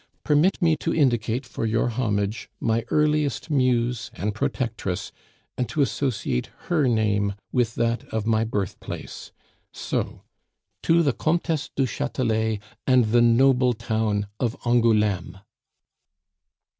Permit me to indicate for your homage my earliest muse and protectress, and to associate her name with that of my birthplace; so to the Comtesse du Chatelet and the noble town of Angouleme!"